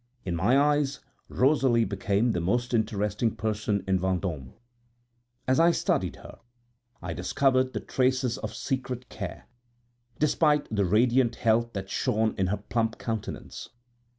In my eyes Rosalie became the most interesting person in Vendôme. As I studied her, I discovered the traces of secret care, despite the radiant health that shone in her plump countenance.